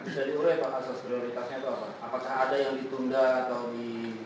bisa diurai pak asas prioritasnya itu apa apakah ada yang ditunda atau di